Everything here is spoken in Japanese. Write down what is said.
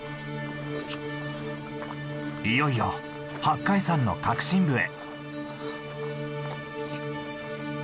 いよいよ八海山の核心部へ。